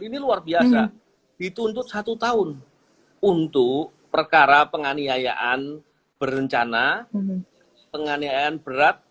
ini luar biasa dituntut satu tahun untuk perkara penganiayaan berencana penganiayaan berat